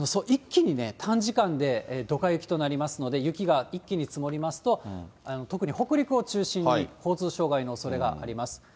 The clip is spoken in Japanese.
一気に短時間でどか雪となりますので、雪が一気に積もりますと、特に北陸を中心に交通障害のおそれがあります。